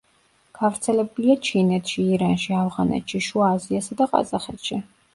გავრცელებულია ჩინეთში, ირანში, ავღანეთში, შუა აზიასა და ყაზახეთში.